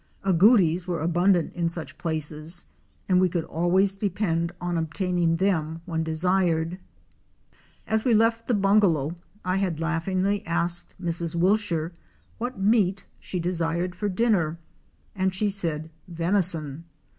Agoutis were abundant in such places and we could always depend on obtaining them when desired. As we left the bungalow I had laughingly asked Mrs. Wilshire what meat she desired for dinner and she said "Venison."